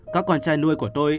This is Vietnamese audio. các con trai nuôi của tôi